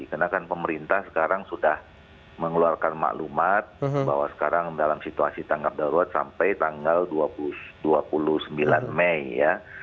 karena kan pemerintah sekarang sudah mengeluarkan maklumat bahwa sekarang dalam situasi tanggal darurat sampai tanggal dua puluh sembilan mei ya